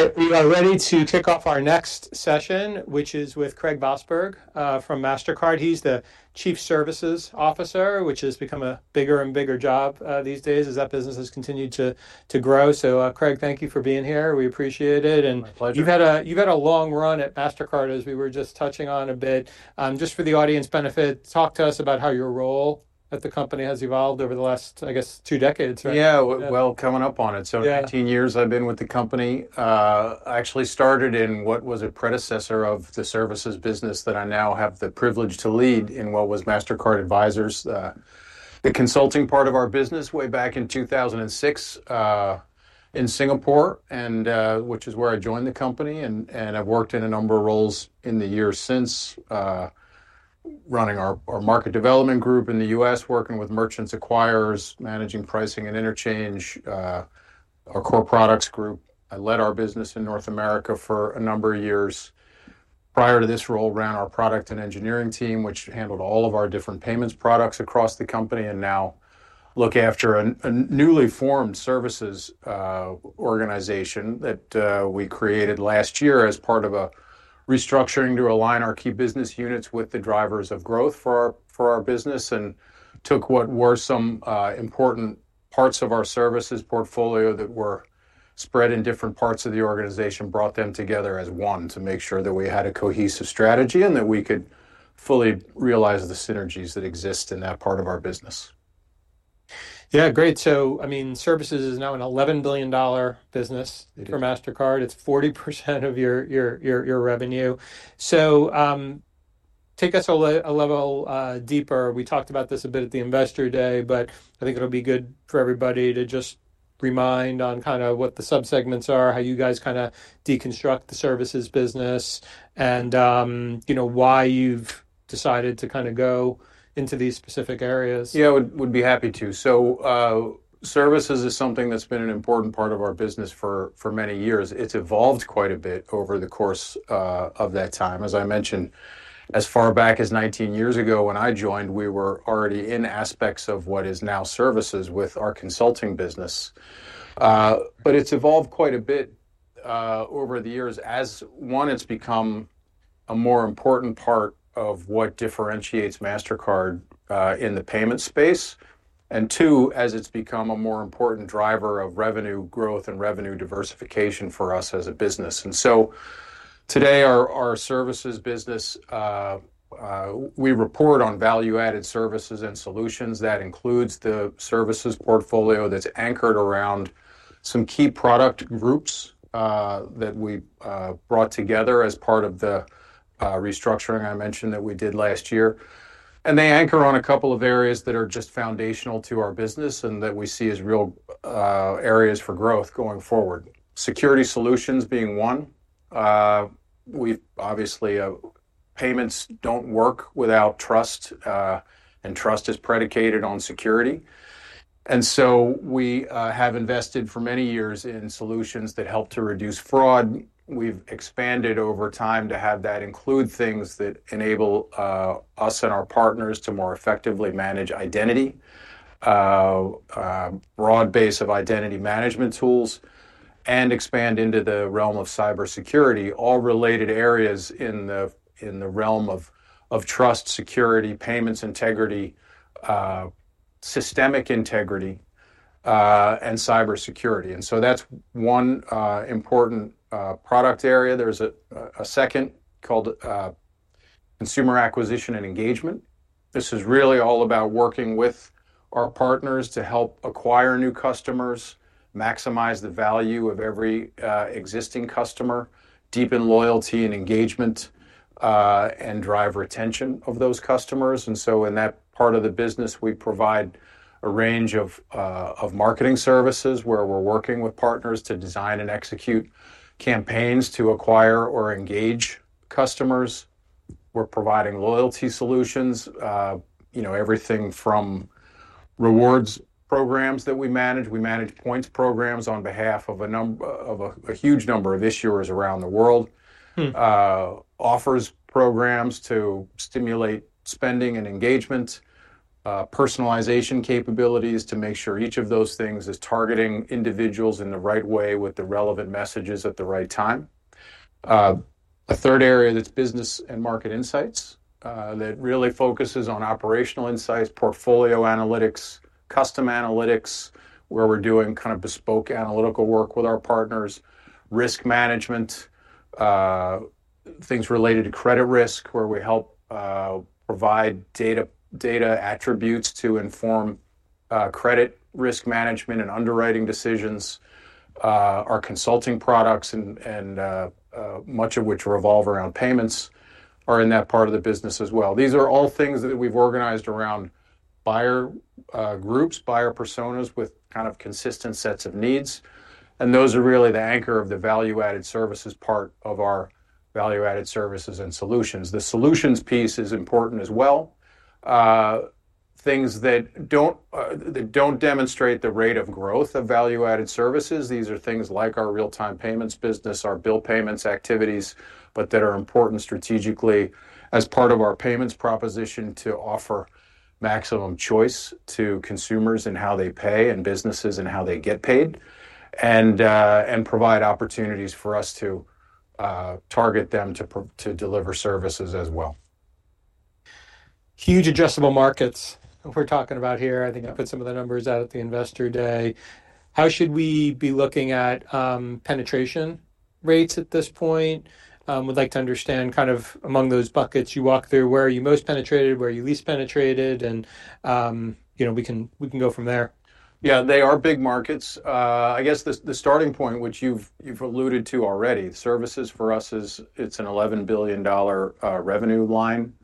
All right, we are ready to kick off our next session, which is with Craig Vosburg from Mastercard. He's the Chief Services Officer, which has become a bigger and bigger job these days as that business has continued to grow. Craig, thank you for being here. We appreciate it. My pleasure. You have had a long run at Mastercard, as we were just touching on a bit. Just for the audience's benefit, talk to us about how your role at the company has evolved over the last, I guess, two decades, right? Yeah, coming up on it. 19 years I've been with the company. I actually started in what was a predecessor of the services business that I now have the privilege to lead in what was Mastercard Advisors, the consulting part of our business way back in 2006 in Singapore, which is where I joined the company. I have worked in a number of roles in the years since, running our market development group in the U.S., working with merchant acquirers, managing pricing and interchange, our core products group. I led our business in North America for a number of years. Prior to this role, I ran our Product & Engineering team, which handled all of our different payments products across the company. I now look after a newly formed services organization that we created last year as part of a restructuring to align our key business units with the drivers of growth for our business. I took what were some important parts of our services portfolio that were spread in different parts of the organization, brought them together as one to make sure that we had a cohesive strategy and that we could fully realize the synergies that exist in that part of our business. Yeah, great. I mean, services is now an $11 billion business for Mastercard. It's 40% of your revenue. Take us a level deeper. We talked about this a bit at the Investor Day, but I think it'll be good for everybody to just remind on kind of what the subsegments are, how you guys kind of deconstruct the Services business, and why you've decided to kind of go into these specific areas. Yeah, I would be happy to. Services is something that's been an important part of our business for many years. It's evolved quite a bit over the course of that time. As I mentioned, as far back as 19 years ago when I joined, we were already in aspects of what is now services with our consulting business. It's evolved quite a bit over the years. As one, it's become a more important part of what differentiates Mastercard in the payment space. Two, as it's become a more important driver of revenue growth and revenue diversification for us as a business. Today, our services business, we report on Value-Added Services & Solutions. That includes the Services portfolio that's anchored around some key product groups that we brought together as part of the restructuring I mentioned that we did last year. They anchor on a couple of areas that are just foundational to our business and that we see as real areas for growth going forward. Security solutions being one. Obviously, payments do not work without trust, and trust is predicated on security. We have invested for many years in solutions that help to reduce fraud. We have expanded over time to have that include things that enable us and our partners to more effectively manage identity, a broad base of identity management tools, and expand into the realm of cybersecurity, all related areas in the realm of trust, security, payments integrity, systemic integrity, and cybersecurity. That is one important product area. There is a second called consumer acquisition and engagement. This is really all about working with our partners to help acquire new customers, maximize the value of every existing customer, deepen loyalty and engagement, and drive retention of those customers. In that part of the business, we provide a range of marketing services where we're working with partners to design and execute campaigns to acquire or engage customers. We're providing loyalty solutions, everything from rewards programs that we manage. We manage points programs on behalf of a huge number of issuers around the world. Offers programs to stimulate spending and engagement, personalization capabilities to make sure each of those things is targeting individuals in the right way with the relevant messages at the right time. A third area that's business and market insights that really focuses on operational insights, portfolio analytics, custom analytics, where we're doing kind of bespoke analytical work with our partners, risk management, things related to credit risk, where we help provide data attributes to inform credit risk management and underwriting decisions. Our consulting products, and much of which revolve around payments, are in that part of the business as well. These are all things that we've organized around buyer groups, buyer personas with kind of consistent sets of needs. Those are really the anchor of the Value-Added Services part of our Value-Added Services & Solutions. The solutions piece is important as well. Things that do not demonstrate the rate of growth of Value-Added Services, these are things like our real-time payments business, our bill payments activities, but that are important strategically as part of our payments proposition to offer maximum choice to consumers in how they pay and businesses in how they get paid, and provide opportunities for us to target them to deliver services as well. Huge adjustable markets we're talking about here. I think I put some of the numbers out at the Investor Day. How should we be looking at penetration rates at this point? We'd like to understand kind of among those buckets you walk through, where are you most penetrated, where are you least penetrated, and we can go from there. Yeah, they are big markets. I guess the starting point, which you've alluded to already, services for us, it's an $11 billion revenue line.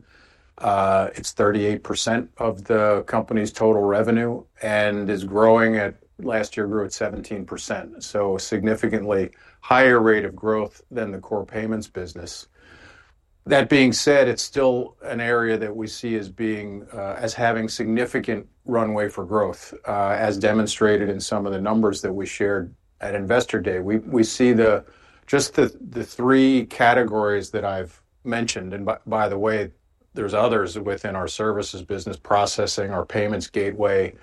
It's 38% of the company's total revenue and is growing at last year grew at 17%. A significantly higher rate of growth than the core payments business. That being said, it's still an area that we see as having significant runway for growth, as demonstrated in some of the numbers that we shared at Investor Day. We see just the three categories that I've mentioned. By the way, there's others within our Services business: processing, our payments gateway,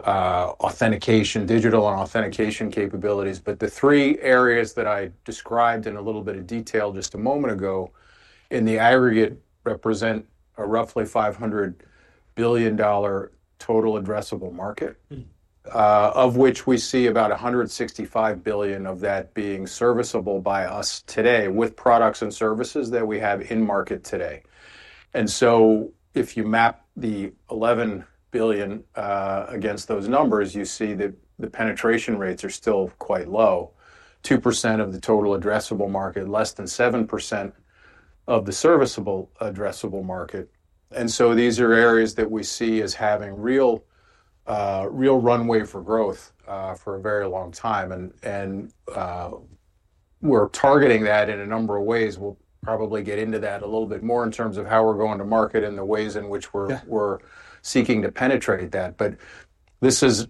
authentication, digital and authentication capabilities. The three areas that I described in a little bit of detail just a moment ago in the aggregate represent a roughly $500 billion total addressable market, of which we see about $165 billion of that being serviceable by us today with products and services that we have in market today. If you map the $11 billion against those numbers, you see that the penetration rates are still quite low, 2% of the total addressable market, less than 7% of the serviceable addressable market. These are areas that we see as having real runway for growth for a very long time. We are targeting that in a number of ways. We will probably get into that a little bit more in terms of how we are going to market and the ways in which we are seeking to penetrate that. This is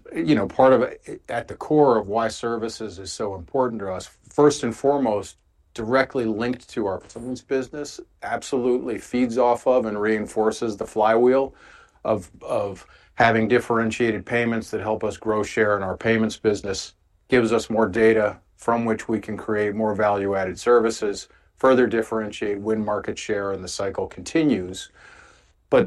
part of at the core of why services is so important to us. First and foremost, directly linked to our business, absolutely feeds off of and reinforces the flywheel of having differentiated payments that help us grow share in our payments business, gives us more data from which we can create more value-added services, further differentiate, win market share, and the cycle continues.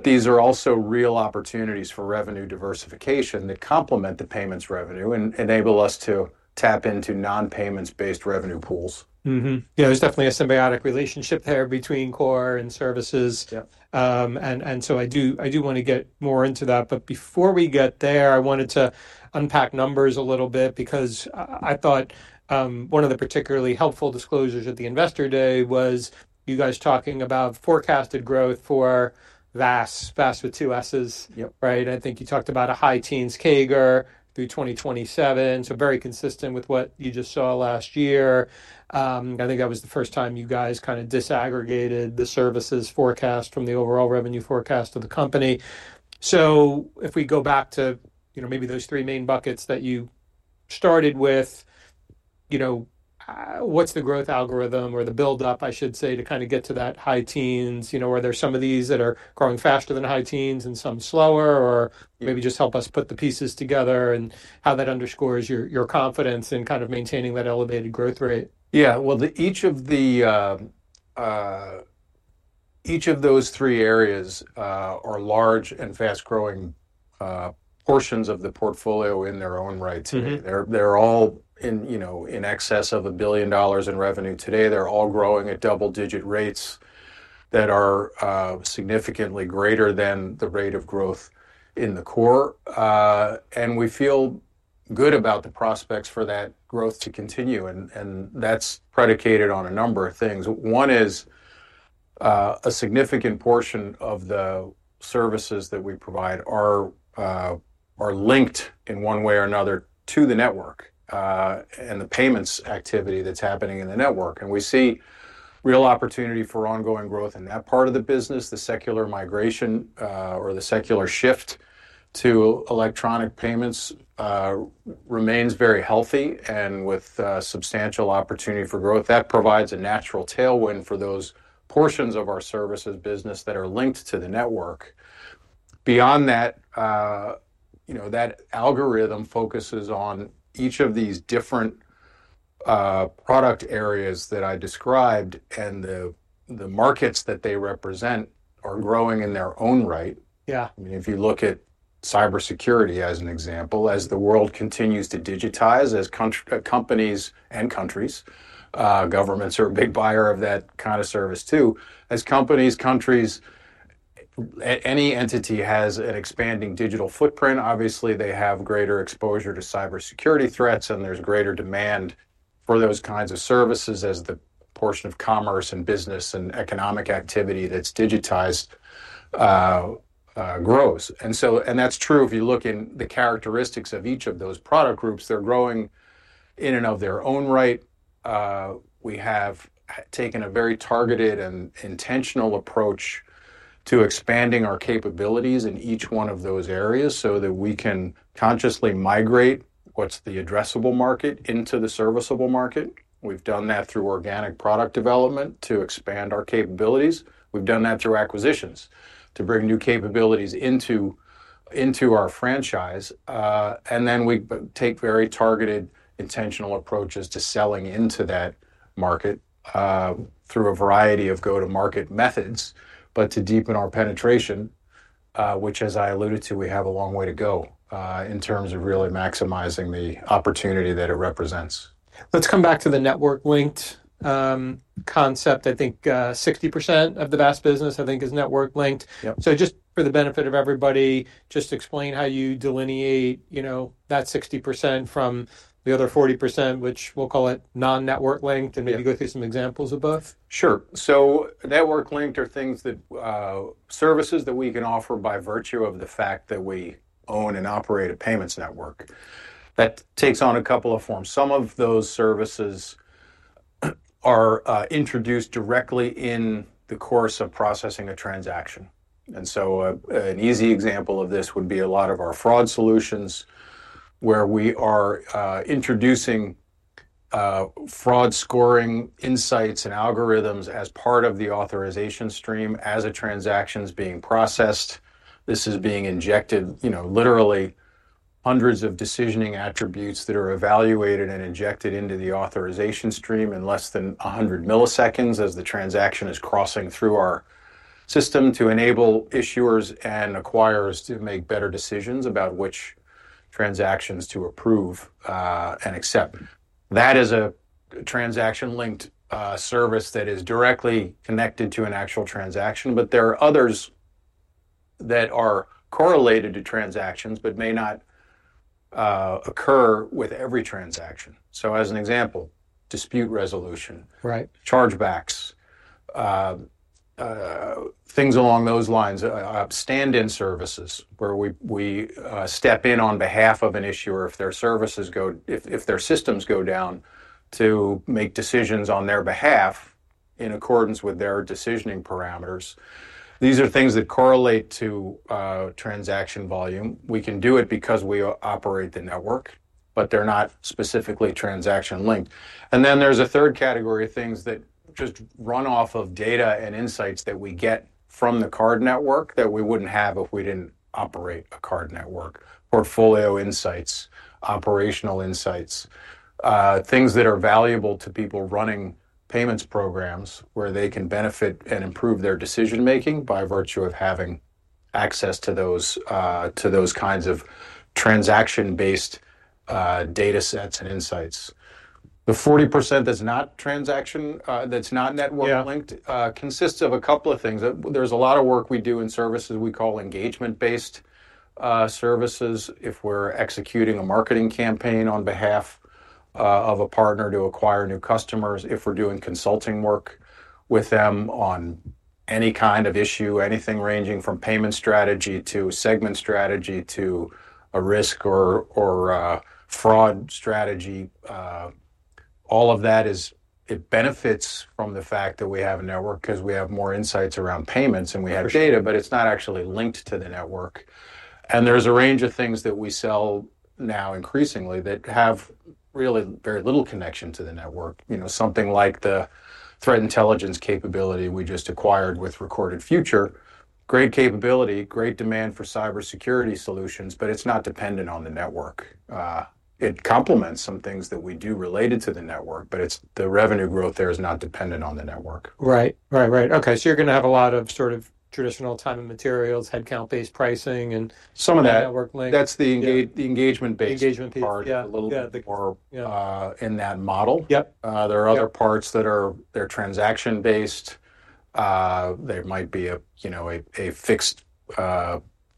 These are also real opportunities for revenue diversification that complement the payments revenue and enable us to tap into non-payments-based revenue pools. Yeah, there's definitely a symbiotic relationship there between core and services. I do want to get more into that. Before we get there, I wanted to unpack numbers a little bit because I thought one of the particularly helpful disclosures at the Investor Day was you guys talking about forecasted growth for VASS, VASS with two S's, right? I think you talked about a high teens CAGR through 2027. Very consistent with what you just saw last year. I think that was the first time you guys kind of disaggregated the services forecast from the overall revenue forecast of the company. If we go back to maybe those three main buckets that you started with, what's the growth algorithm or the build-up, I should say, to kind of get to that high teens? Are there some of these that are growing faster than high teens and some slower? Or maybe just help us put the pieces together and how that underscores your confidence in kind of maintaining that elevated growth rate? Yeah, each of those three areas are large and fast-growing portions of the portfolio in their own right. They're all in excess of a billion dollars in revenue today. They're all growing at double-digit rates that are significantly greater than the rate of growth in the core. We feel good about the prospects for that growth to continue. That's predicated on a number of things. One is a significant portion of the services that we provide are linked in one way or another to the network and the payments activity that's happening in the network. We see real opportunity for ongoing growth in that part of the business. The secular migration or the secular shift to electronic payments remains very healthy and with substantial opportunity for growth. That provides a natural tailwind for those portions of our services business that are linked to the network. Beyond that, that algorithm focuses on each of these different product areas that I described and the markets that they represent are growing in their own right. I mean, if you look at cybersecurity as an example, as the world continues to digitize, as companies and countries, governments are a big buyer of that kind of service too. As companies, countries, any entity has an expanding digital footprint. Obviously, they have greater exposure to cybersecurity threats, and there's greater demand for those kinds of services as the portion of commerce and business and economic activity that's digitized grows. That is true if you look in the characteristics of each of those product groups. They're growing in and of their own right. We have taken a very targeted and intentional approach to expanding our capabilities in each one of those areas so that we can consciously migrate what's the addressable market into the serviceable market. We've done that through organic product development to expand our capabilities. We've done that through acquisitions to bring new capabilities into our franchise. We take very targeted, intentional approaches to selling into that market through a variety of go-to-market methods, but to deepen our penetration, which, as I alluded to, we have a long way to go in terms of really maximizing the opportunity that it represents. Let's come back to the network-linked concept. I think 60% of the VASS business, I think, is network-linked. Just for the benefit of everybody, just explain how you delineate that 60% from the other 40%, which we'll call it non-network-linked, and maybe go through some examples of both. Sure. Network-linked are things that services that we can offer by virtue of the fact that we own and operate a payments network. That takes on a couple of forms. Some of those services are introduced directly in the course of processing a transaction. An easy example of this would be a lot of our fraud solutions where we are introducing fraud-scoring insights and algorithms as part of the authorization stream as a transaction is being processed. This is being injected, literally, hundreds of decisioning attributes that are evaluated and injected into the authorization stream in less than 100 ms as the transaction is crossing through our system to enable issuers and acquirers to make better decisions about which transactions to approve and accept. That is a transaction-linked service that is directly connected to an actual transaction, but there are others that are correlated to transactions but may not occur with every transaction. As an example, dispute resolution, chargebacks, things along those lines, stand-in services where we step in on behalf of an issuer if their systems go down to make decisions on their behalf in accordance with their decisioning parameters. These are things that correlate to transaction volume. We can do it because we operate the network, but they're not specifically transaction-linked. There is a third category of things that just run off of data and insights that we get from the card network that we would not have if we did not operate a card network, portfolio insights, operational insights, things that are valuable to people running payments programs where they can benefit and improve their decision-making by virtue of having access to those kinds of transaction-based data sets and insights. The 40% that is not transaction, that is not network-linked consists of a couple of things. There is a lot of work we do in services we call engagement-based services if we are executing a marketing campaign on behalf of a partner to acquire new customers, if we are doing consulting work with them on any kind of issue, anything ranging from payment strategy to segment strategy to a risk or fraud strategy. All of that benefits from the fact that we have a network because we have more insights around payments and we have data, but it's not actually linked to the network. There's a range of things that we sell now increasingly that have really very little connection to the network. Something like the threat intelligence capability we just acquired with Recorded Future, great capability, great demand for cybersecurity solutions, but it's not dependent on the network. It complements some things that we do related to the network, but the revenue growth there is not dependent on the network. Right, right, right. Okay. You're going to have a lot of sort of traditional time and materials, headcount-based pricing and network-linked. Some of that, that's the engagement-based part a little bit more in that model. There are other parts that are transaction-based. There might be a fixed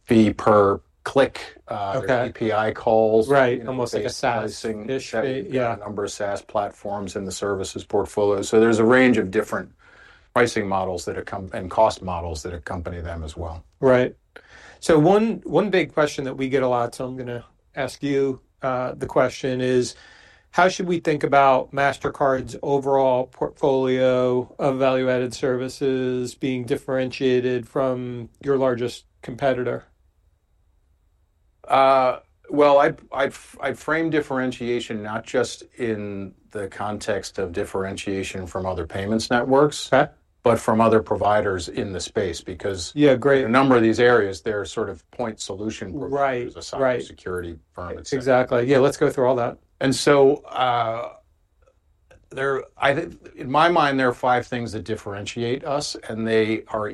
fee per click, API calls. Right, almost like a SaaS-ish. Yeah, a number of SaaS platforms in the services portfolio. There is a range of different pricing models and cost models that accompany them as well. Right. One big question that we get a lot, so I'm going to ask you the question, is, how should we think about Mastercard's overall portfolio of value-added services being differentiated from your largest competitor? I frame differentiation not just in the context of differentiation from other payments networks, but from other providers in the space because a number of these areas, they're sort of point solution providers aside from security firms. Exactly. Yeah, let's go through all that. In my mind, there are five things that differentiate us, and they are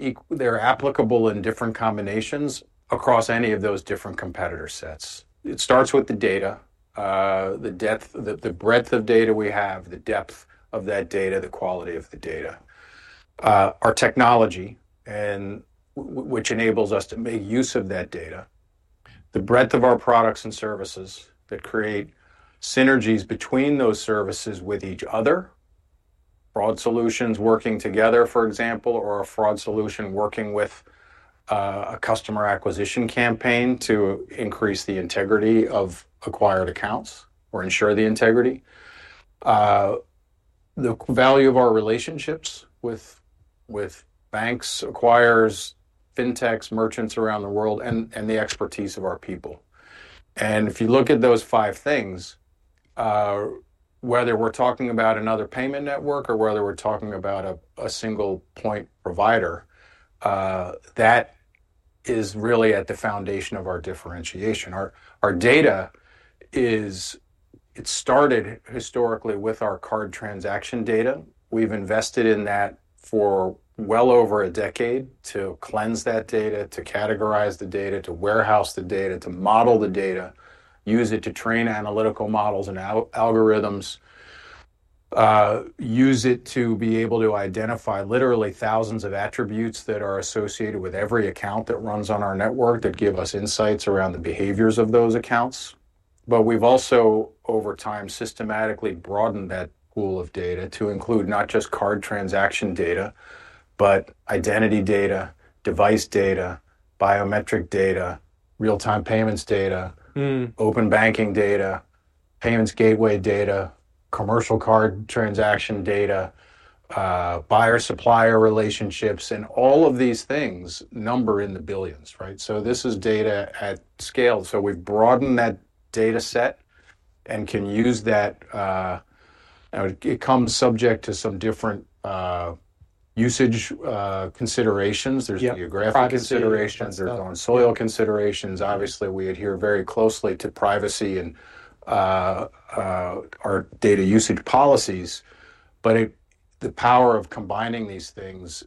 applicable in different combinations across any of those different competitor sets. It starts with the data, the breadth of data we have, the depth of that data, the quality of the data, our technology, which enables us to make use of that data, the breadth of our products and services that create synergies between those services with each other, fraud solutions working together, for example, or a fraud solution working with a customer acquisition campaign to increase the integrity of acquired accounts or ensure the integrity. The value of our relationships with banks, acquirers, fintechs, merchants around the world, and the expertise of our people. If you look at those five things, whether we're talking about another payment network or whether we're talking about a single point provider, that is really at the foundation of our differentiation. Our data, it started historically with our card transaction data. We've invested in that for well over a decade to cleanse that data, to categorize the data, to warehouse the data, to model the data, use it to train analytical models and algorithms, use it to be able to identify literally thousands of attributes that are associated with every account that runs on our network that give us insights around the behaviors of those accounts. We've also, over time, systematically broadened that pool of data to include not just card transaction data, but identity data, device data, biometric data, real-time payments data, open banking data, payments gateway data, commercial card transaction data, buyer-supplier relationships, and all of these things number in the billions, right? This is data at scale. We've broadened that data set and can use that. It comes subject to some different usage considerations. There's geographic considerations. There's on soil considerations. Obviously, we adhere very closely to privacy and our data usage policies, but the power of combining these things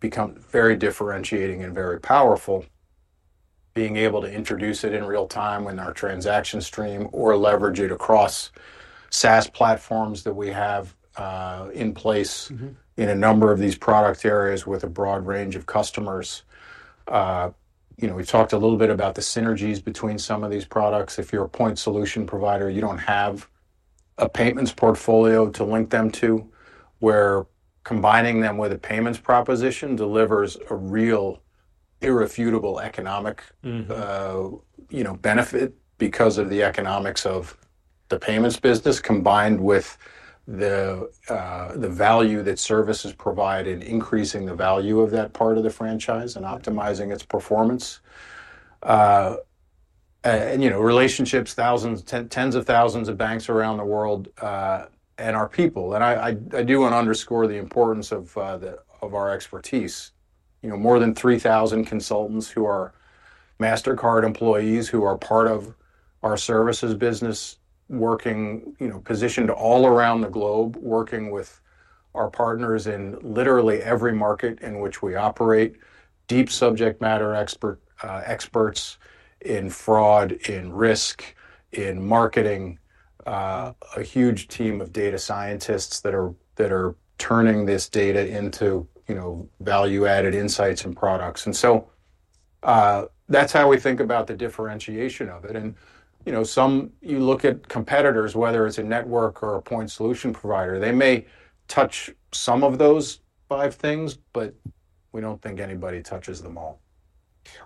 becomes very differentiating and very powerful, being able to introduce it in real time in our transaction stream or leverage it across SaaS platforms that we have in place in a number of these product areas with a broad range of customers. We've talked a little bit about the synergies between some of these products. If you're a point solution provider, you don't have a payments portfolio to link them to, where combining them with a payments proposition delivers a real irrefutable economic benefit because of the economics of the payments business combined with the value that services provide, increasing the value of that part of the franchise and optimizing its performance. Relationships, tens of thousands of banks around the world and our people. I do want to underscore the importance of our expertise. More than 3,000 consultants who are Mastercard employees who are part of our services business, positioned all around the globe, working with our partners in literally every market in which we operate, deep subject matter experts in fraud, in risk, in marketing, a huge team of data scientists that are turning this data into value-added insights and products. That is how we think about the differentiation of it. You look at competitors, whether it is a network or a point solution provider, they may touch some of those five things, but we do not think anybody touches them all.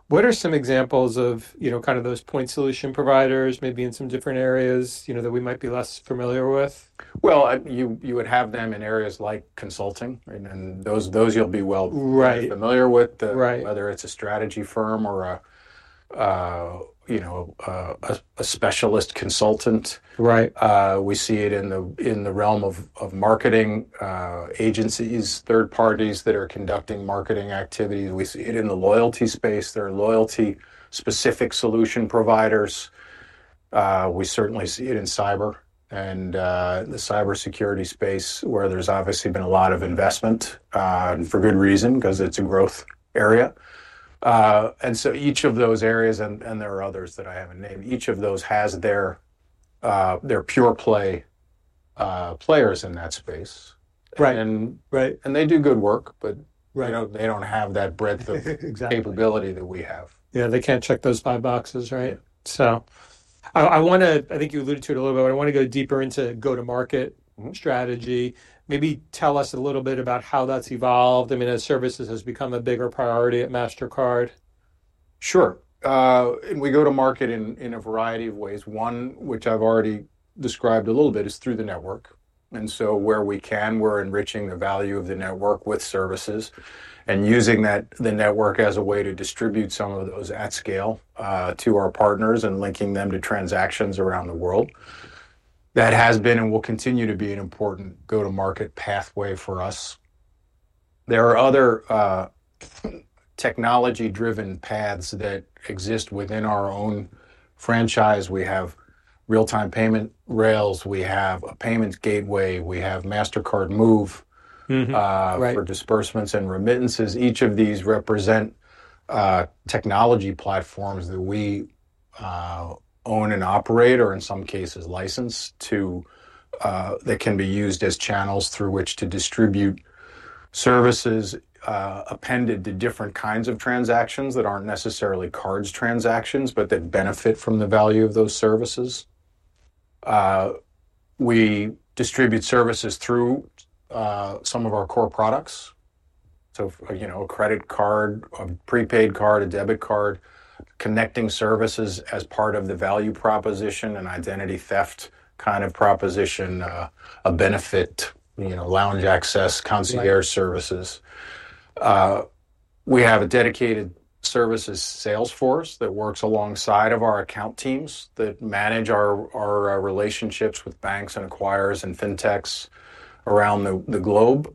What are some examples of kind of those point solution providers, maybe in some different areas that we might be less familiar with? You would have them in areas like consulting, and those you'll be well familiar with, whether it's a strategy firm or a specialist consultant. We see it in the realm of marketing agencies, third parties that are conducting marketing activities. We see it in the loyalty space. There are loyalty-specific solution providers. We certainly see it in cyber and the cybersecurity space where there's obviously been a lot of investment for good reason because it's a growth area. Each of those areas, and there are others that I haven't named, each of those has their pure-play players in that space. They do good work, but they don't have that breadth of capability that we have. Yeah, they can't check those five boxes, right? I think you alluded to it a little bit, but I want to go deeper into go-to-market strategy. Maybe tell us a little bit about how that's evolved. I mean, as services has become a bigger priority at Mastercard. Sure. We go to market in a variety of ways. One, which I've already described a little bit, is through the network. Where we can, we're enriching the value of the network with services and using the network as a way to distribute some of those at scale to our partners and linking them to transactions around the world. That has been and will continue to be an important go-to-market pathway for us. There are other technology-driven paths that exist within our own franchise. We have real-time payment rails. We have a payments gateway. We have Mastercard Move for disbursements and remittances. Each of these represent technology platforms that we own and operate, or in some cases, license that can be used as channels through which to distribute services appended to different kinds of transactions that are not necessarily cards transactions, but that benefit from the value of those services. We distribute services through some of our core products. A credit card, a prepaid card, a debit card, connecting services as part of the value proposition and identity theft kind of proposition, a benefit, lounge access, concierge services. We have a dedicated services sales force that works alongside our account teams that manage our relationships with banks and acquirers and fintechs around the globe.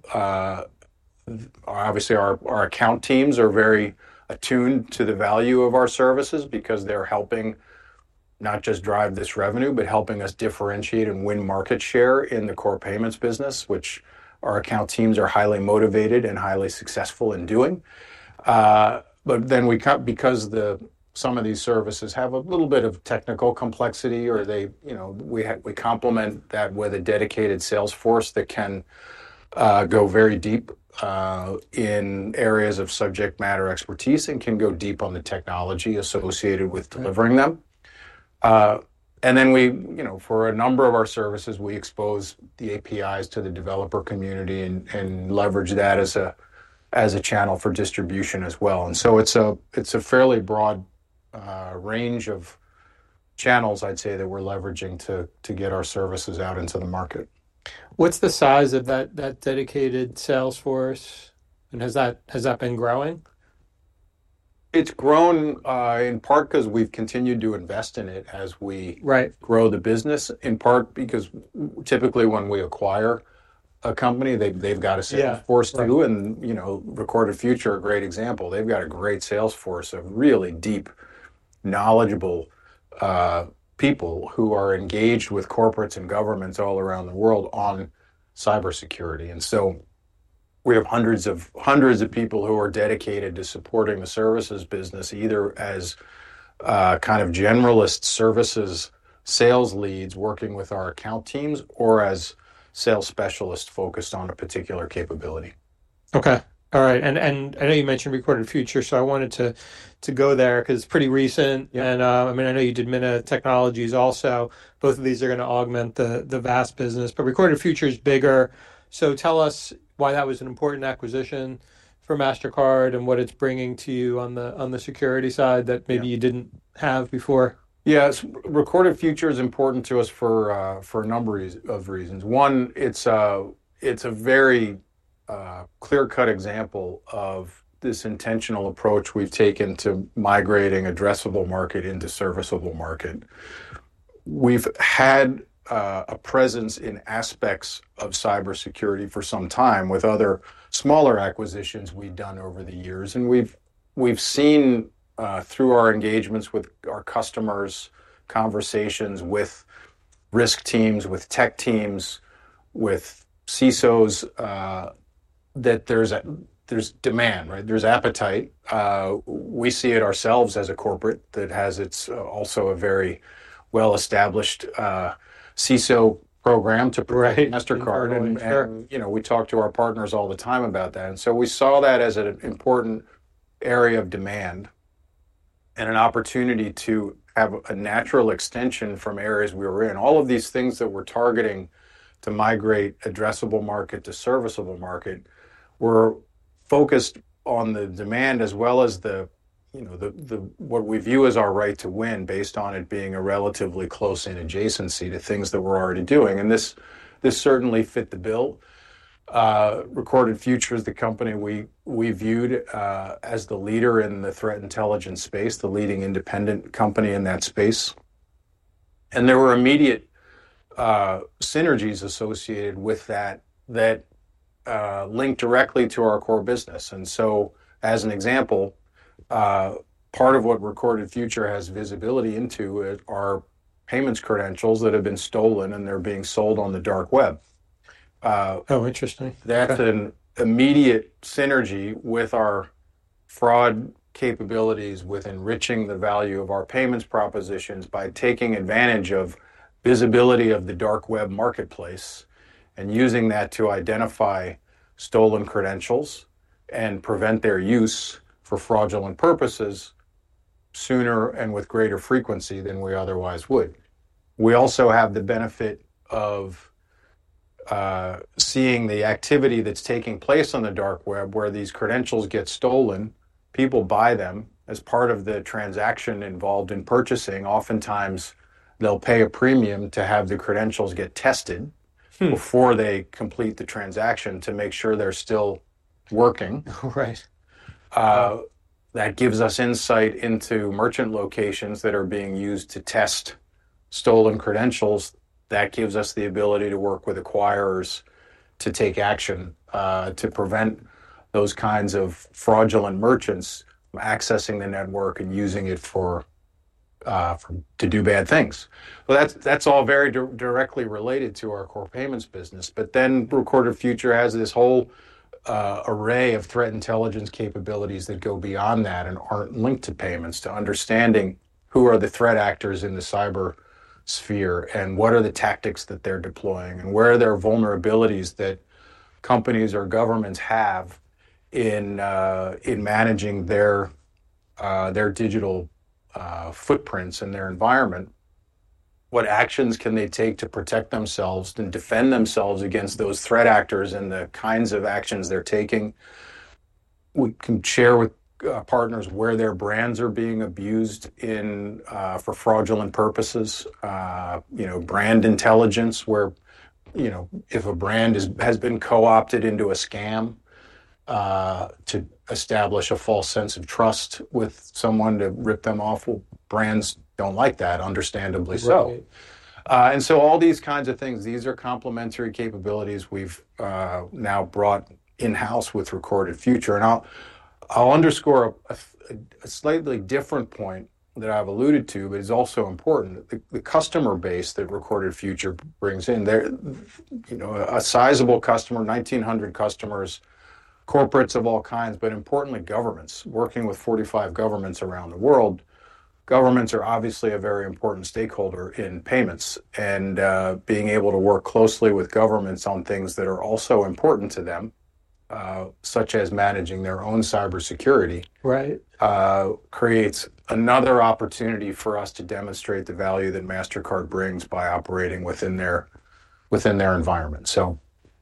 Obviously, our account teams are very attuned to the value of our services because they're helping not just drive this revenue, but helping us differentiate and win market share in the core payments business, which our account teams are highly motivated and highly successful in doing. Because some of these services have a little bit of technical complexity, we complement that with a dedicated sales force that can go very deep in areas of subject matter expertise and can go deep on the technology associated with delivering them. For a number of our services, we expose the APIs to the developer community and leverage that as a channel for distribution as well. It is a fairly broad range of channels, I'd say, that we're leveraging to get our services out into the market. What's the size of that dedicated sales force? Has that been growing? It's grown in part because we've continued to invest in it as we grow the business. In part because typically when we acquire a company, they've got a sales force too. Recorded Future, a great example. They've got a great sales force of really deep, knowledgeable people who are engaged with corporates and governments all around the world on cybersecurity. We have hundreds of people who are dedicated to supporting the services business, either as kind of generalist services sales leads working with our account teams or as sales specialists focused on a particular capability. Okay. All right. I know you mentioned Recorded Future, so I wanted to go there because it's pretty recent. I mean, I know you did Minna Technologies also. Both of these are going to augment the VASS business, but Recorded Future is bigger. Tell us why that was an important acquisition for Mastercard and what it's bringing to you on the security side that maybe you didn't have before. Yeah. Recorded Future is important to us for a number of reasons. One, it's a very clear-cut example of this intentional approach we've taken to migrating addressable market into serviceable market. We've had a presence in aspects of cybersecurity for some time with other smaller acquisitions we've done over the years. We have seen through our engagements with our customers, conversations with risk teams, with tech teams, with CISOs that there's demand, right? There's appetite. We see it ourselves as a corporate that has also a very well-established CISO program to provide Mastercard. We talk to our partners all the time about that. We saw that as an important area of demand and an opportunity to have a natural extension from areas we were in. All of these things that we're targeting to migrate addressable market to serviceable market were focused on the demand as well as what we view as our right to win based on it being a relatively close-in adjacency to things that we're already doing. This certainly fit the bill. Recorded Future is the company we viewed as the leader in the threat intelligence space, the leading independent company in that space. There were immediate synergies associated with that that link directly to our core business. As an example, part of what Recorded Future has visibility into are payments credentials that have been stolen and they're being sold on the dark web. Oh, interesting. That's an immediate synergy with our fraud capabilities with enriching the value of our payments propositions by taking advantage of visibility of the dark web marketplace and using that to identify stolen credentials and prevent their use for fraudulent purposes sooner and with greater frequency than we otherwise would. We also have the benefit of seeing the activity that's taking place on the dark web where these credentials get stolen. People buy them as part of the transaction involved in purchasing. Oftentimes, they'll pay a premium to have the credentials get tested before they complete the transaction to make sure they're still working. That gives us insight into merchant locations that are being used to test stolen credentials. That gives us the ability to work with acquirers to take action to prevent those kinds of fraudulent merchants accessing the network and using it to do bad things. That's all very directly related to our core payments business. Recorded Future has this whole array of threat intelligence capabilities that go beyond that and aren't linked to payments, to understanding who are the threat actors in the cyber sphere and what are the tactics that they're deploying and where are their vulnerabilities that companies or governments have in managing their digital footprints and their environment. What actions can they take to protect themselves and defend themselves against those threat actors and the kinds of actions they're taking? We can share with partners where their brands are being abused for fraudulent purposes. Brand intelligence, where if a brand has been co-opted into a scam to establish a false sense of trust with someone to rip them off, brands don't like that, understandably so. All these kinds of things, these are complementary capabilities we've now brought in-house with Recorded Future. I'll underscore a slightly different point that I've alluded to, but it's also important. The customer base that Recorded Future brings in, a sizable customer, 1,900 customers, corporates of all kinds, but importantly, governments. Working with 45 governments around the world, governments are obviously a very important stakeholder in payments. Being able to work closely with governments on things that are also important to them, such as managing their own cybersecurity, creates another opportunity for us to demonstrate the value that Mastercard brings by operating within their environment.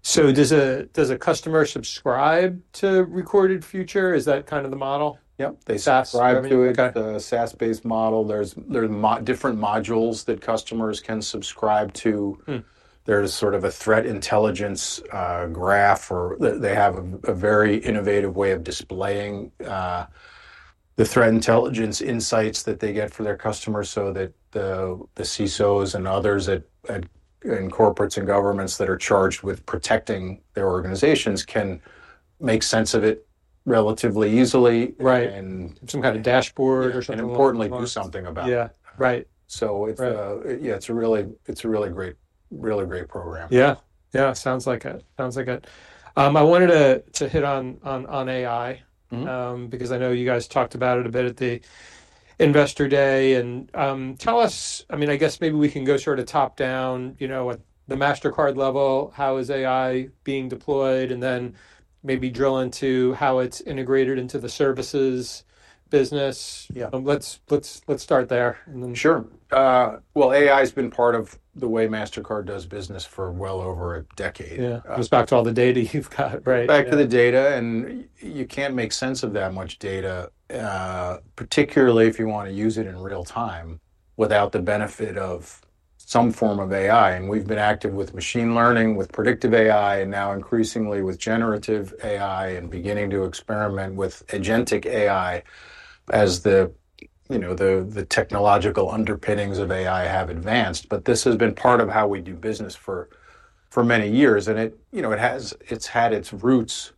Does a customer subscribe to Recorded Future? Is that kind of the model? Yep. They subscribe to it. It's a SaaS-based model. There are different modules that customers can subscribe to. There's sort of a threat intelligence graph, or they have a very innovative way of displaying the threat intelligence insights that they get for their customers so that the CISOs and others in corporates and governments that are charged with protecting their organizations can make sense of it relatively easily. Right. Some kind of dashboard or something. Importantly, do something about it. Yeah. Right. Yeah, it's a really great program. Yeah. Yeah. Sounds like it. Sounds like it. I wanted to hit on AI because I know you guys talked about it a bit at the Investor Day. Tell us, I mean, I guess maybe we can go sort of top down at the Mastercard level, how is AI being deployed, and then maybe drill into how it's integrated into the services business. Let's start there. Sure. AI has been part of the way Mastercard does business for well over a decade. Yeah. It goes back to all the data you've got, right? Back to the data. You can't make sense of that much data, particularly if you want to use it in real time without the benefit of some form of AI. We've been active with machine learning, with predictive AI, and now increasingly with generative AI and beginning to experiment with agentic AI as the technological underpinnings of AI have advanced. This has been part of how we do business for many years. It's had its roots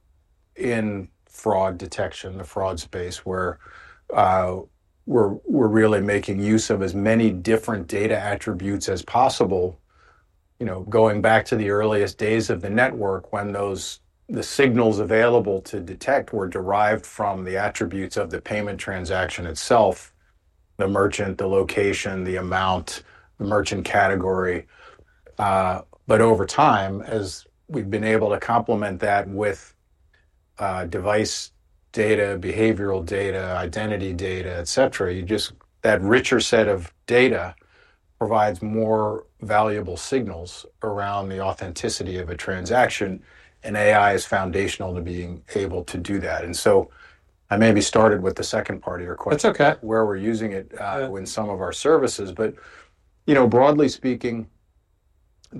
in fraud detection, the fraud space, where we're really making use of as many different data attributes as possible. Going back to the earliest days of the network when the signals available to detect were derived from the attributes of the payment transaction itself, the merchant, the location, the amount, the merchant category. Over time, as we've been able to complement that with device data, behavioral data, identity data, etc., that richer set of data provides more valuable signals around the authenticity of a transaction. AI is foundational to being able to do that. I maybe started with the second part of your question. That's okay. Where we're using it in some of our services. Broadly speaking,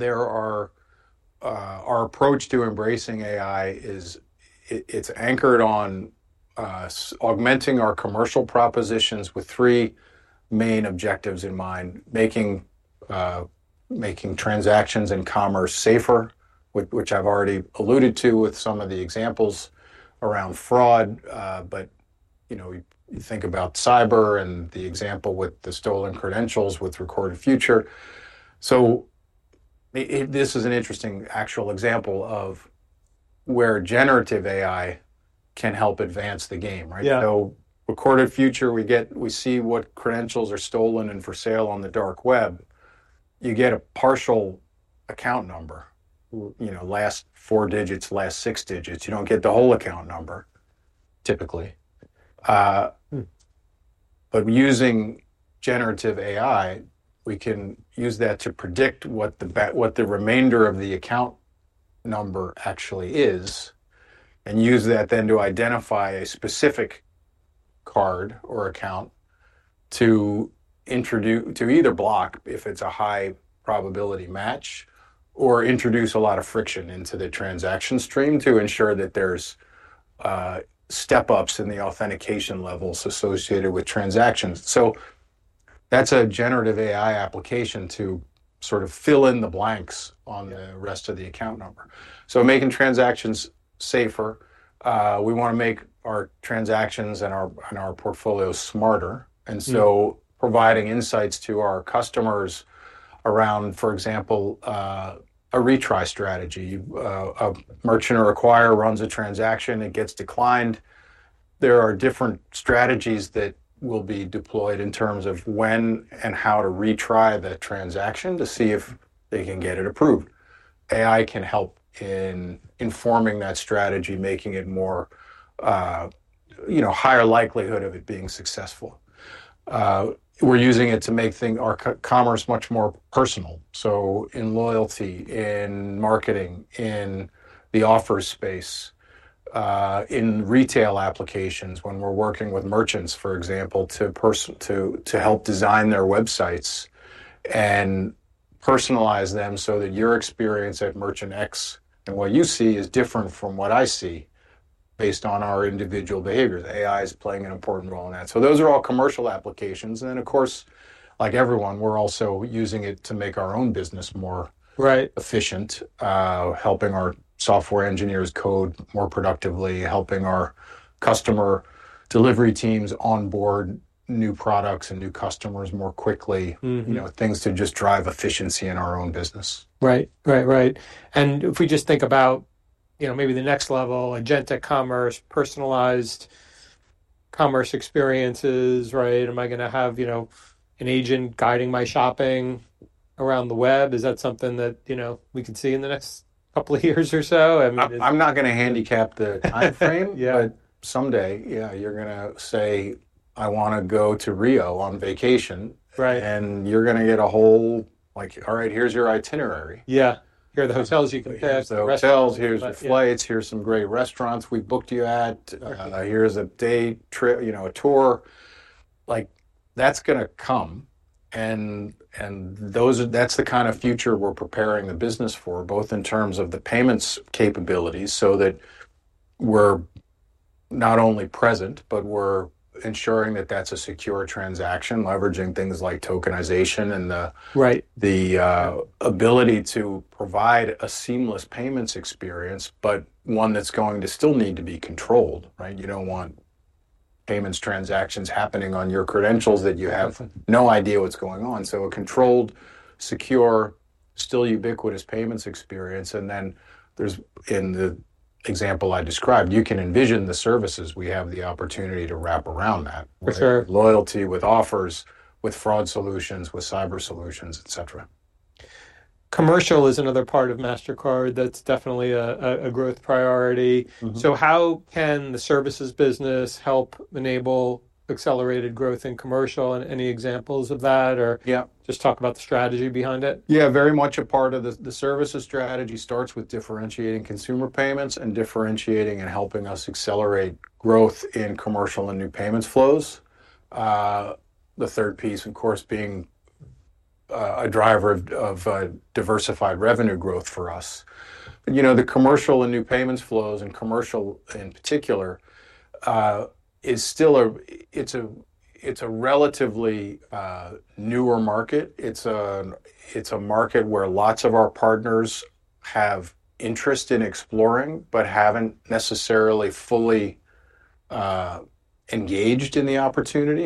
our approach to embracing AI, it's anchored on augmenting our commercial propositions with three main objectives in mind: making transactions and commerce safer, which I've already alluded to with some of the examples around fraud. You think about cyber and the example with the stolen credentials with Recorded Future. This is an interesting actual example of where generative AI can help advance the game, right? Recorded Future, we see what credentials are stolen and for sale on the dark web. You get a partial account number, last four digits, last six digits. You don't get the whole account number, typically. Using generative AI, we can use that to predict what the remainder of the account number actually is and use that then to identify a specific card or account to either block if it's a high probability match or introduce a lot of friction into the transaction stream to ensure that there's step-ups in the authentication levels associated with transactions. That's a generative AI application to sort of fill in the blanks on the rest of the account number. Making transactions safer, we want to make our transactions and our portfolios smarter. Providing insights to our customers around, for example, a retry strategy. A merchant or acquirer runs a transaction. It gets declined. There are different strategies that will be deployed in terms of when and how to retry that transaction to see if they can get it approved. AI can help in informing that strategy, making it more higher likelihood of it being successful. We're using it to make our commerce much more personal. In loyalty, in marketing, in the offers space, in retail applications when we're working with merchants, for example, to help design their websites and personalize them so that your experience at Merchant X and what you see is different from what I see based on our individual behaviors. AI is playing an important role in that. Those are all commercial applications. Of course, like everyone, we're also using it to make our own business more efficient, helping our software engineers code more productively, helping our customer delivery teams onboard new products and new customers more quickly, things to just drive efficiency in our own business. Right. Right. Right. If we just think about maybe the next level, agentic commerce, personalized commerce experiences, right? Am I going to have an agent guiding my shopping around the web? Is that something that we can see in the next couple of years or so? I'm not going to handicap the timeframe, but someday, yeah, you're going to say, "I want to go to Rio on vacation." And you're going to get a whole, "All right, here's your itinerary. Yeah. Here are the hotels you can pay for. Hotels, here's your flights, here's some great restaurants we booked you at. Here's a day, a tour. That is going to come. That is the kind of future we are preparing the business for, both in terms of the payments capabilities so that we are not only present, but we are ensuring that that is a secure transaction, leveraging things like tokenization and the ability to provide a seamless payments experience, but one that is going to still need to be controlled, right? You do not want payments transactions happening on your credentials that you have no idea what is going on. A controlled, secure, still ubiquitous payments experience. In the example I described, you can envision the services we have the opportunity to wrap around that with loyalty, with offers, with fraud solutions, with cyber solutions, etc. Commercial is another part of Mastercard that's definitely a growth priority. How can the services business help enable accelerated growth in commercial and any examples of that, or just talk about the strategy behind it? Yeah. Very much a part of the services strategy starts with differentiating consumer payments and differentiating and helping us accelerate growth in commercial and new payments flows. The third piece, of course, being a driver of diversified revenue growth for us. The commercial and new payments flows and commercial in particular is still a relatively newer market. It's a market where lots of our partners have interest in exploring but haven't necessarily fully engaged in the opportunity.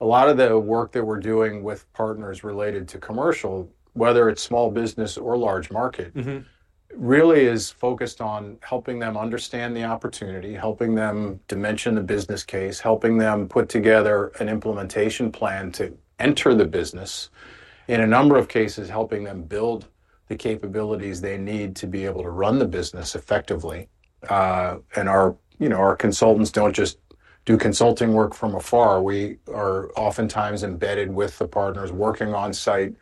A lot of the work that we're doing with partners related to commercial, whether it's small business or large market, really is focused on helping them understand the opportunity, helping them dimension the business case, helping them put together an implementation plan to enter the business. In a number of cases, helping them build the capabilities they need to be able to run the business effectively. Our consultants do not just do consulting work from afar. We are oftentimes embedded with the partners, working on site,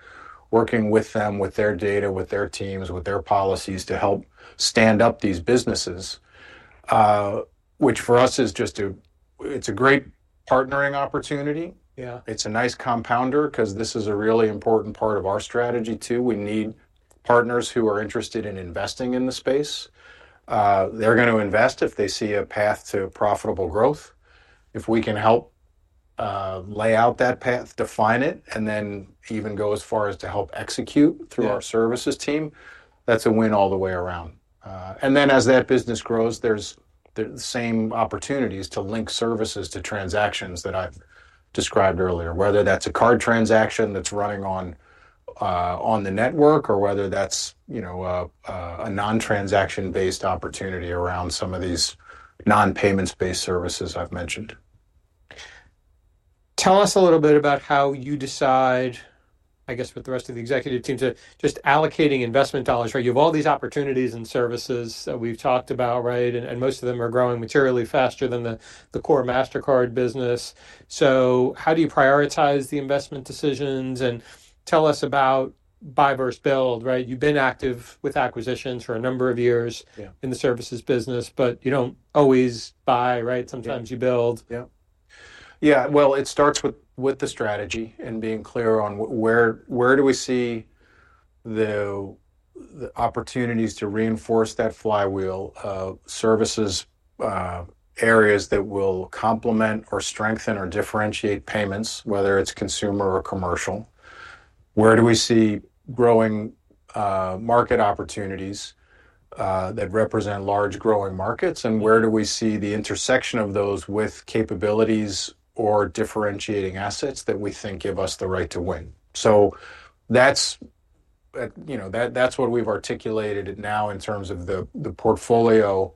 working with them, with their data, with their teams, with their policies to help stand up these businesses, which for us is just a great partnering opportunity. It is a nice compounder because this is a really important part of our strategy too. We need partners who are interested in investing in the space. They are going to invest if they see a path to profitable growth. If we can help lay out that path, define it, and then even go as far as to help execute through our services team, that is a win all the way around. As that business grows, there's the same opportunities to link services to transactions that I've described earlier, whether that's a card transaction that's running on the network or whether that's a non-transaction-based opportunity around some of these non-payments-based services I've mentioned. Tell us a little bit about how you decide, I guess, with the rest of the executive team to just allocating investment dollars, right? You have all these opportunities and services that we've talked about, right? Most of them are growing materially faster than the core Mastercard business. How do you prioritize the investment decisions? Tell us about buy vs build, right? You've been active with acquisitions for a number of years in the services business, but you don't always buy, right? Sometimes you build. Yeah. Yeah. It starts with the strategy and being clear on where do we see the opportunities to reinforce that flywheel of services, areas that will complement or strengthen or differentiate payments, whether it's consumer or commercial. Where do we see growing market opportunities that represent large growing markets? Where do we see the intersection of those with capabilities or differentiating assets that we think give us the right to win? That's what we've articulated now in terms of the portfolio.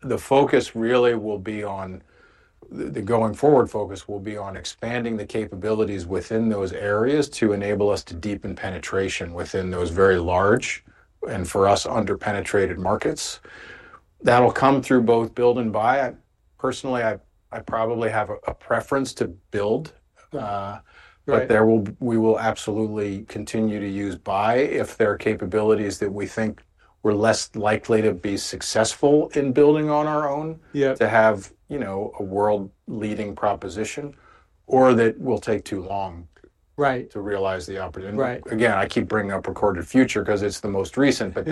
The focus really will be on the going forward focus will be on expanding the capabilities within those areas to enable us to deepen penetration within those very large and for us underpenetrated markets. That'll come through both build and buy. Personally, I probably have a preference to build. We will absolutely continue to use buy if there are capabilities that we think we're less likely to be successful in building on our own to have a world-leading proposition or that will take too long to realize the opportunity. Again, I keep bringing up Recorded Future because it's the most recent, but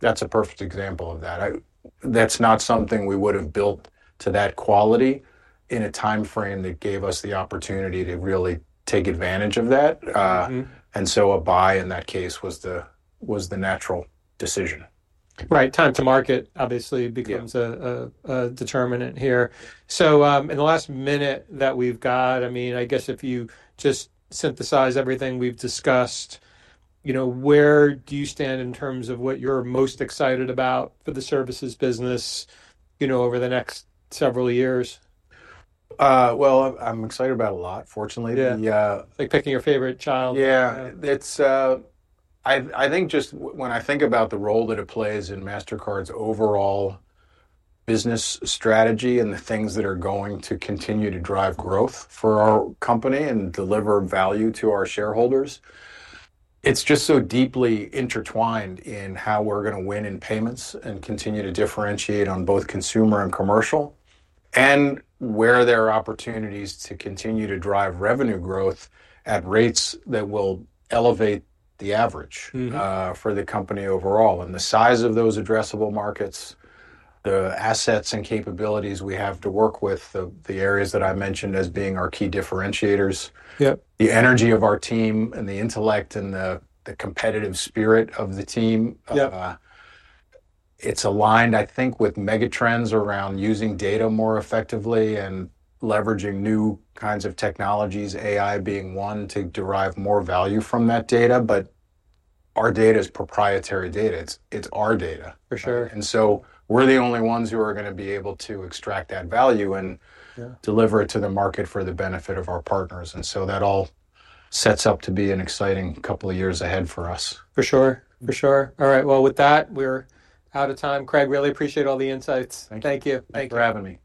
that's a perfect example of that. That's not something we would have built to that quality in a timeframe that gave us the opportunity to really take advantage of that. A buy in that case was the natural decision. Right. Time to market, obviously, becomes a determinant here. In the last minute that we've got, I mean, I guess if you just synthesize everything we've discussed, where do you stand in terms of what you're most excited about for the services business over the next several years? I'm excited about a lot, fortunately. Yeah. Like picking your favorite child. Yeah. I think just when I think about the role that it plays in Mastercard's overall business strategy and the things that are going to continue to drive growth for our company and deliver value to our shareholders, it's just so deeply intertwined in how we're going to win in payments and continue to differentiate on both consumer and commercial and where there are opportunities to continue to drive revenue growth at rates that will elevate the average for the company overall. The size of those addressable markets, the assets and capabilities we have to work with, the areas that I mentioned as being our key differentiators, the energy of our team and the intellect and the competitive spirit of the team, it's aligned, I think, with megatrends around using data more effectively and leveraging new kinds of technologies, AI being one to derive more value from that data. Our data is proprietary data. It's our data. We're the only ones who are going to be able to extract that value and deliver it to the market for the benefit of our partners. That all sets up to be an exciting couple of years ahead for us. For sure. For sure. All right. With that, we're out of time. Craig, really appreciate all the insights. Thank you. Thank you. Thanks for having me.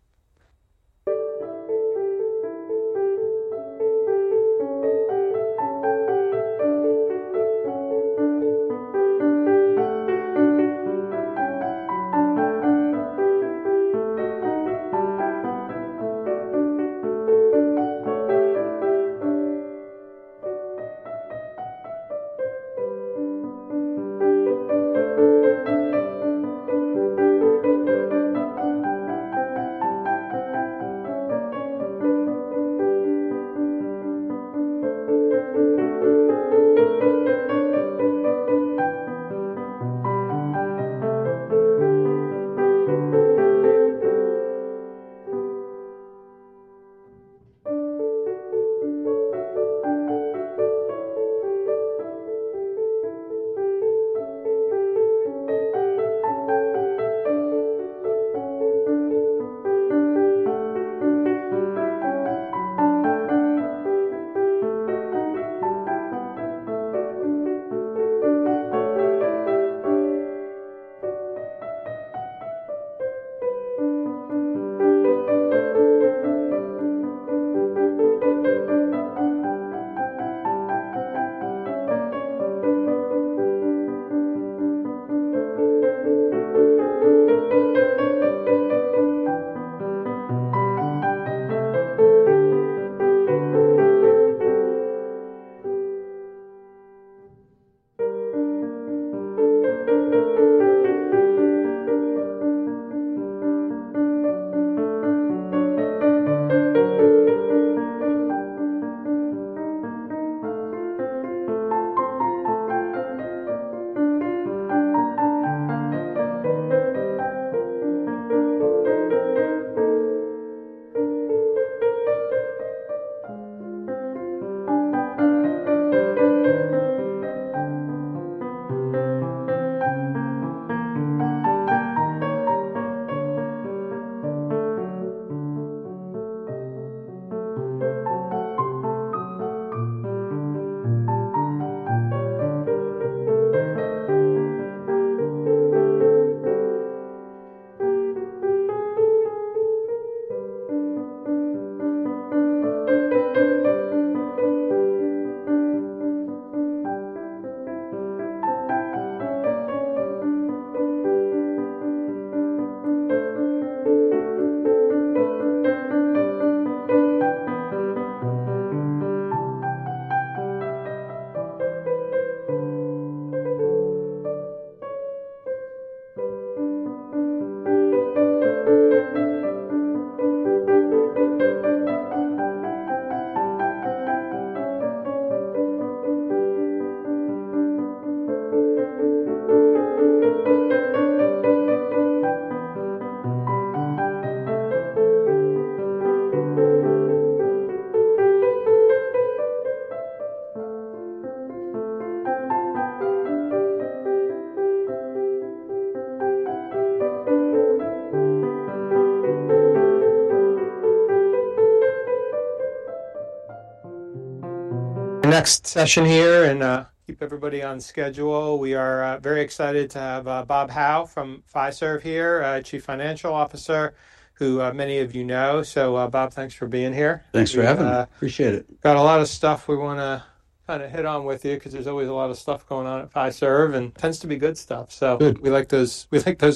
Next session here and keep everybody on schedule. We are very excited to have Bob Hau from Fiserv here, Chief Financial Officer, who many of you know. Bob, thanks for being here. Thanks for having me. Appreciate it. Got a lot of stuff we want to kind of hit on with you because there's always a lot of stuff going on at Fiserv and tends to be good stuff. So we like those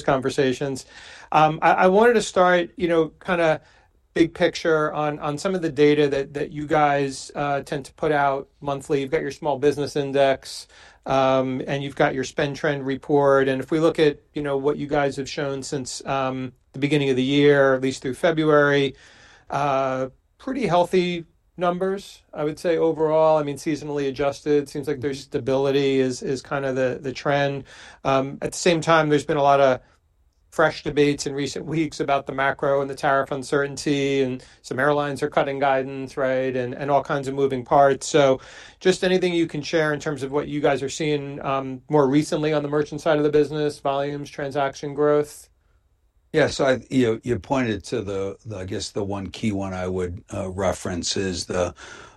conversations. I wanted to start kind of big picture on some of the data that you guys tend to put out monthly. You've got your small business index and you've got your SpendTrend report. And if we look at what you guys have shown since the beginning of the year, at least through February, pretty healthy numbers, I would say overall. I mean, seasonally adjusted, it seems like there's stability is kind of the trend. At the same time, there's been a lot of fresh debates in recent weeks about the macro and the tariff uncertainty and some airlines are cutting guidance, right? And all kinds of moving parts. Just anything you can share in terms of what you guys are seeing more recently on the merchant side of the business, volumes, transaction growth? Yeah. You pointed to the, I guess the one key one I would reference is the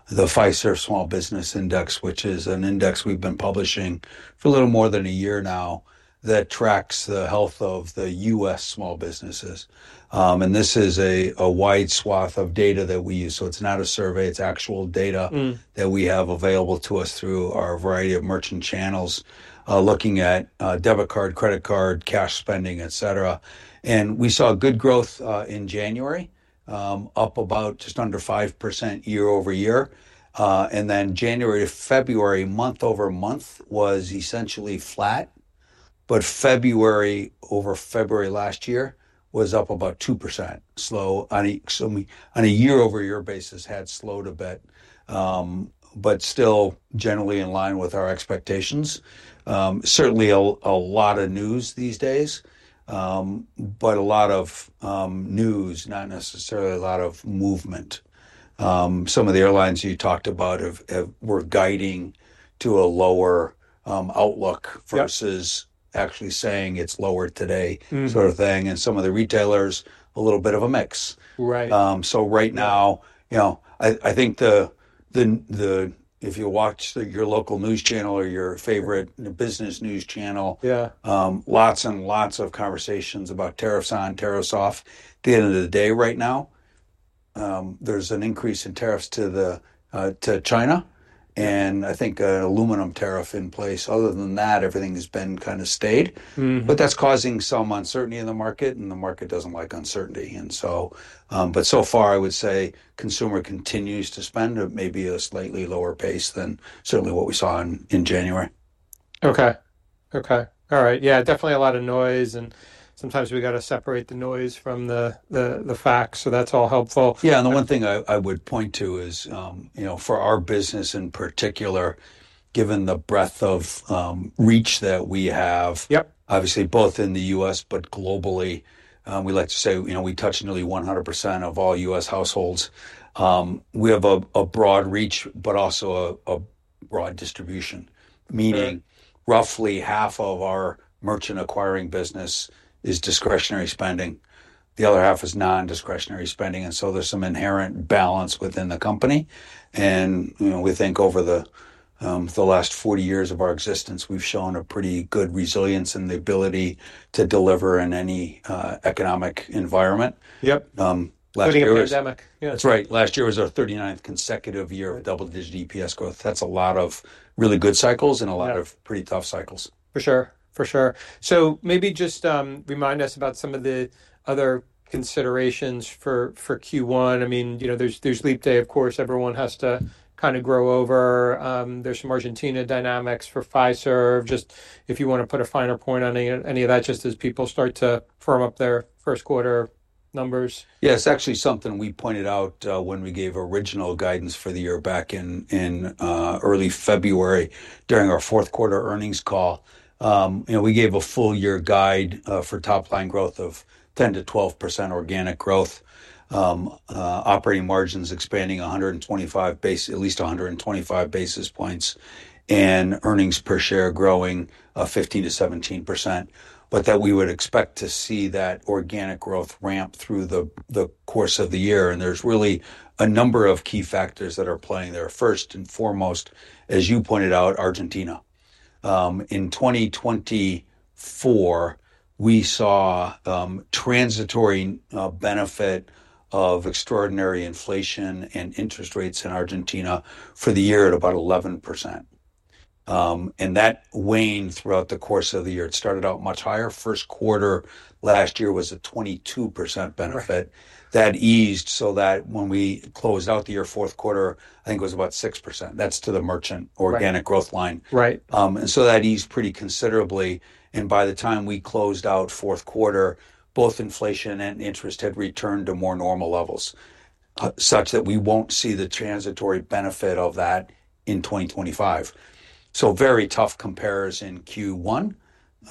Fiserv Small Business Index, which is an index we've been publishing for a little more than a year now that tracks the health of the U.S. small businesses. This is a wide swath of data that we use. It's not a survey. It's actual data that we have available to us through our variety of merchant channels looking at debit card, credit card, cash spending, etc. We saw good growth in January, up about just under 5% year-over-year. January to February, month over month was essentially flat, but February over February last year was up about 2%. Slow on a year-over-year basis had slowed a bit, but still generally in line with our expectations. Certainly a lot of news these days, but a lot of news, not necessarily a lot of movement. Some of the airlines you talked about were guiding to a lower outlook versus actually saying it's lower today sort of thing. And some of the retailers, a little bit of a mix. Right now, I think if you watch your local news channel or your favorite business news channel, lots and lots of conversations about tariffs on, tariffs off. At the end of the day right now, there's an increase in tariffs to China and I think an aluminum tariff in place. Other than that, everything has been kind of stayed, but that's causing some uncertainty in the market and the market doesn't like uncertainty. So far, I would say consumer continues to spend at maybe a slightly lower pace than certainly what we saw in January. Okay. Okay. All right. Yeah. Definitely a lot of noise. Sometimes we got to separate the noise from the facts. That's all helpful. Yeah. The one thing I would point to is for our business in particular, given the breadth of reach that we have, obviously both in the U.S., but globally, we like to say we touch nearly 100% of all U.S. households. We have a broad reach, but also a broad distribution, meaning roughly half of our merchant acquiring business is discretionary spending. The other half is non-discretionary spending. There is some inherent balance within the company. We think over the last 40 years of our existence, we have shown a pretty good resilience and the ability to deliver in any economic environment. Putting a. That's right. Last year was our 39th consecutive year of double-digit EPS growth. That's a lot of really good cycles and a lot of pretty tough cycles. For sure. For sure. Maybe just remind us about some of the other considerations for Q1. I mean, there's Leap Day, of course, everyone has to kind of grow over. There's some Argentina dynamics for Fiserv. Just if you want to put a finer point on any of that, just as people start to firm up their first quarter numbers. Yeah. It's actually something we pointed out when we gave original guidance for the year back in early February during our fourth quarter earnings call. We gave a full year guide for top-line growth of 10%-12% organic growth, operating margins expanding at least 125 basis points, and earnings per share growing 15%-17%, but that we would expect to see that organic growth ramp through the course of the year. There's really a number of key factors that are playing there. First and foremost, as you pointed out, Argentina. In 2024, we saw transitory benefit of extraordinary inflation and interest rates in Argentina for the year at about 11%. That waned throughout the course of the year. It started out much higher. First quarter last year was a 22% benefit. That eased so that when we closed out the year fourth quarter, I think it was about 6%. That's to the merchant organic growth line. That eased pretty considerably. By the time we closed out fourth quarter, both inflation and interest had returned to more normal levels such that we won't see the transitory benefit of that in 2025. Very tough comparison Q1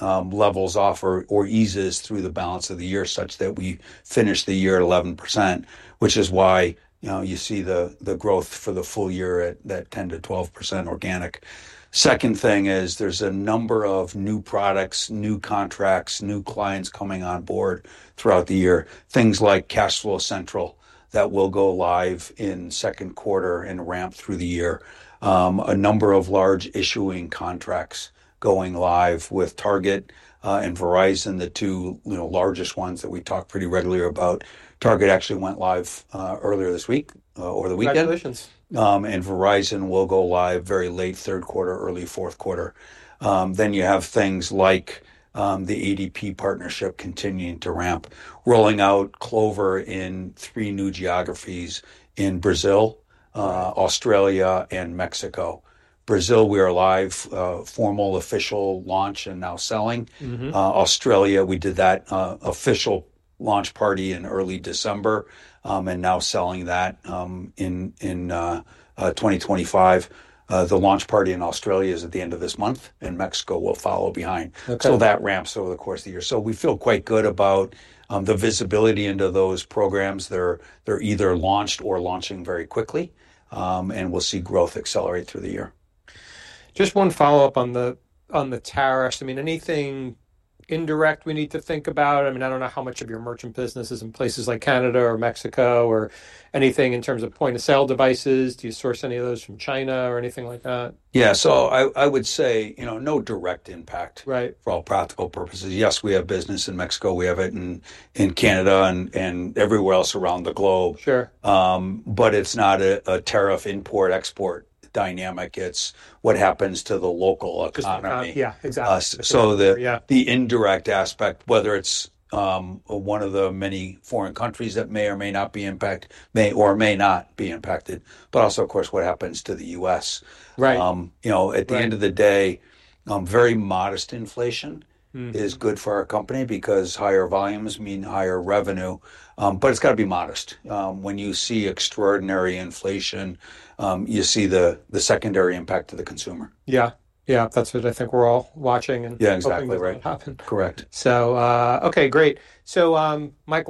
levels offer or eases through the balance of the year such that we finished the year at 11%, which is why you see the growth for the full year at that 10%-12% organic. Second thing is there's a number of new products, new contracts, new clients coming on board throughout the year. Things like CashFlow Central that will go live in second quarter and ramp through the year. A number of large issuing contracts going live with Target and Verizon, the two largest ones that we talk pretty regularly about. Target actually went live earlier this week over the weekend. Congratulations. Verizon will go live very late third quarter, early fourth quarter. You have things like the ADP partnership continuing to ramp, rolling out Clover in three new geographies in Brazil, Australia, and Mexico. Brazil, we are live, formal official launch and now selling. Australia, we did that official launch party in early December and now selling that in 2025. The launch party in Australia is at the end of this month. Mexico will follow behind. That ramps over the course of the year. We feel quite good about the visibility into those programs. They are either launched or launching very quickly. We will see growth accelerate through the year. Just one follow-up on the tariffs. I mean, anything indirect we need to think about? I mean, I don't know how much of your merchant business is in places like Canada or Mexico or anything in terms of point-of-sale devices. Do you source any of those from China or anything like that? Yeah. I would say no direct impact for all practical purposes. Yes, we have business in Mexico. We have it in Canada and everywhere else around the globe. It is not a tariff import-export dynamic. It is what happens to the local economy. Yeah. Exactly. Yeah. The indirect aspect, whether it's one of the many foreign countries that may or may not be impacted or may not be impacted, but also, of course, what happens to the U.S. At the end of the day, very modest inflation is good for our company because higher volumes mean higher revenue. But it's got to be modest. When you see extraordinary inflation, you see the secondary impact to the consumer. Yeah. Yeah. That's what I think we're all watching and hoping will happen. Yeah. Exactly right. Correct. Okay, great. So Michael.